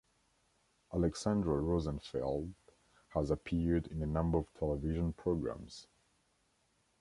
Alexandra Rosenfeld has appeared in a number of television programs.